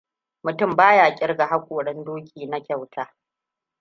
Mutum baya kirga hakoran doki na kyauta.